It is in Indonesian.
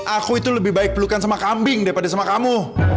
aku itu lebih baik pelukan sama kambing daripada sama kamu